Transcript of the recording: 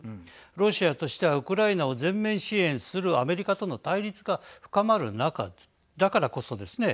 ロシアとしてはウクライナを全面支援するアメリカとの対立が深まる中、だからこそですね